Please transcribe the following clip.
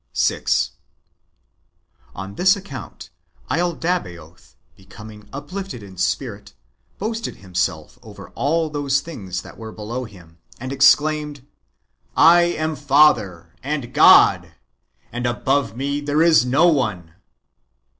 6. On this account, laldabaoth, becoming uplifted in spirit, boasted himself over all those things that w^ere below him, and exclaimed, " I am father, and God, and above me there is no one."